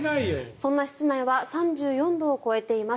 そんな室内は３４度を超えています。